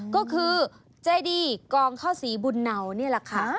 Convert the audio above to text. ก็คือเจดีกองข้าวสีบุญเนานี่แหละค่ะ